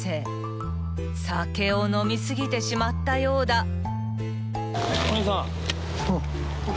［酒を飲み過ぎてしまったようだ］